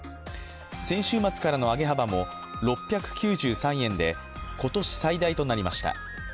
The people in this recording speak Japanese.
先週末からの上げ幅も６９３円で、今年最大となりました。